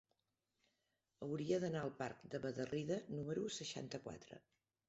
Hauria d'anar al parc de Bederrida número seixanta-quatre.